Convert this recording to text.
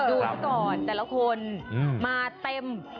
ดูซะก่อนแต่ละคนมาเต็ม